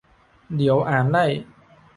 เดี๋ยวอ่านไล่